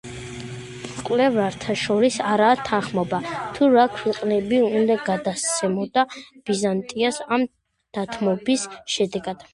მკვლევართა შორის არაა თანხმობა, თუ რა ქვეყნები უნდა გადასცემოდა ბიზანტიას ამ დათმობის შედეგად.